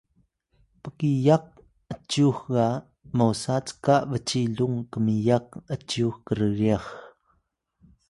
pkiyak ’cyux ga mosa cka bcilung kmiyak ’cyux krryax